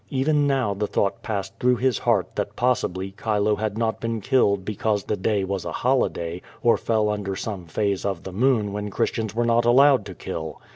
Even now the thought passed through his heart that possibly Chilo had not been killed be cause the day was a holiday, or fell under some phase of the moon when Christians were not allowed to kill.